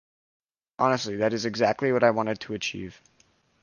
Honestly, that is exactly what I wanted to achieve.